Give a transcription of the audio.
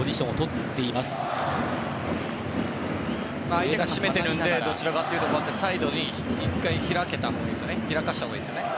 相手が締めてるのでどちらかというと、サイドに１回開かせたほうがいいですよね。